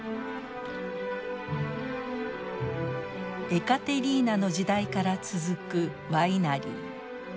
エカテリーナの時代から続くワイナリー。